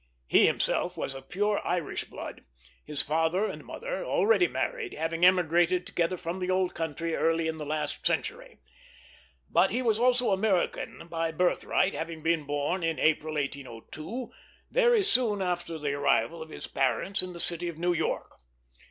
He himself was of pure Irish blood, his father and mother, already married, having emigrated together from the old country early in the last century; but he was also American by birthright, having been born in April, 1802, very soon after the arrival of his parents in the city of New York.